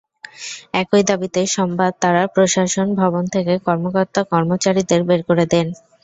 একই দাবিতে সোমবার তাঁরা প্রশাসন ভবন থেকে কর্মকর্তা-কর্মচারীদের বের করে দেন।